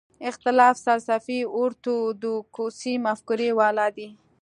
اختلاف سلفي اورتودوکسي مفکورې والا دي.